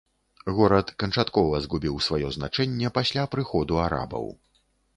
Горад канчаткова згубіў сваё значэнне пасля прыходу арабаў.